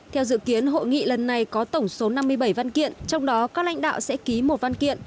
theo dự kiến hội nghị lần này có tổng số năm mươi bảy văn kiện trong đó các lãnh đạo sẽ ký một văn kiện